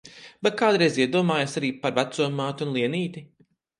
Vai kādreiz iedomājies arī par veco māti un Lienīti?